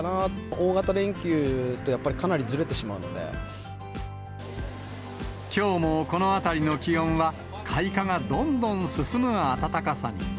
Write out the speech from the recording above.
大型連休と、やっぱり、かなりずきょうもこの辺りの気温は、開花がどんどん進む暖かさに。